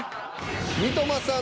「三笘さん」